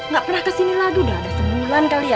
gak pernah kesini lagi udah ada sebulan kali ya